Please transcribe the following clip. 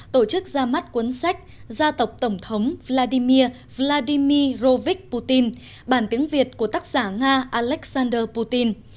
tổ chức ra mắt cuốn sách gia tộc tổng thống vladimir vladimi rovic putin bản tiếng việt của tác giả nga alexander putin